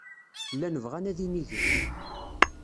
Llan bɣan ad inigen.